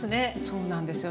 そうなんですよ。